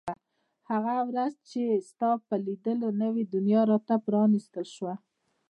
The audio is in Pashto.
هغه ورځ چې ستا په لیدو نوې دنیا را ته پرانیستل شوه.